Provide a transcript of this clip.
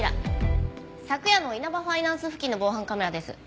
昨夜のイナバファイナンス付近の防犯カメラです。